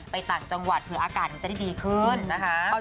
ต่างจังหวัดเผื่ออากาศมันจะได้ดีขึ้นนะคะ